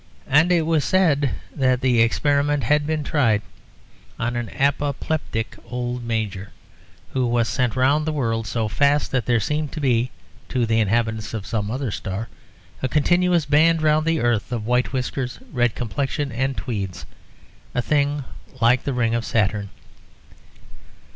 And it was said that the experiment had been tried on an apoplectic old major, who was sent round the world so fast that there seemed to be (to the inhabitants of some other star) a continuous band round the earth of white whiskers, red complexion and tweeds a thing like the ring of Saturn.